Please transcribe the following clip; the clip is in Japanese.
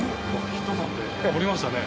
ひと晩で終わりましたね。